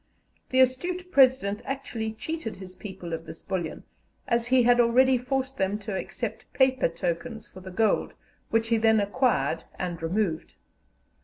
The astute President actually cheated his people of this bullion, as he had already forced them to accept paper tokens for the gold, which he then acquired and removed.